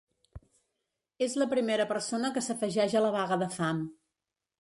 És la primera persona que s’afegeix a la vaga de fam.